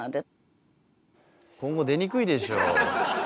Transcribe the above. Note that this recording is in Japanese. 今後出にくいでしょう。